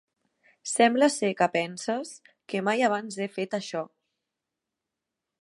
Sembla ser que penses que mai abans he fet això.